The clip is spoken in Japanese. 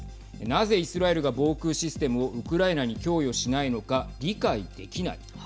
なぜイスラエルが防空システムをウクライナに供与しないのか理解できない。